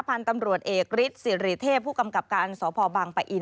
พันธุ์ตำรวจเอกฤทธิสิริเทพผู้กำกับการสพบังปะอิน